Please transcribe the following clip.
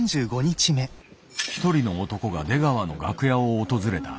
一人の男が出川の楽屋を訪れた。